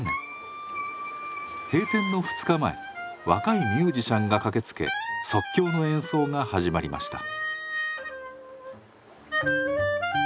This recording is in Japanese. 閉店の２日前若いミュージシャンが駆けつけ即興の演奏が始まりました。